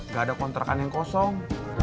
gak ada kontrakan yang kosong